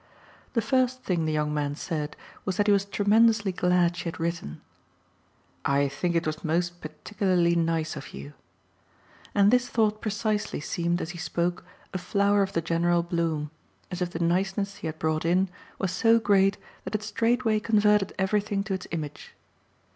The first thing the young man said was that he was tremendously glad she had written. "I think it was most particularly nice of you." And this thought precisely seemed, as he spoke, a flower of the general bloom as if the niceness he had brought in was so great that it straightway converted everything to its image.